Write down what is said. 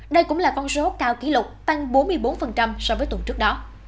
đây cũng là con số cao kỷ lục tăng bốn mươi bốn so với tuần trước đó